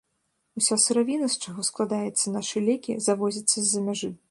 Уся сыравіна, з чаго складаецца нашы лекі, завозіцца з-за мяжы.